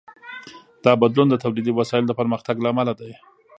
دا بدلون د تولیدي وسایلو د پرمختګ له امله دی.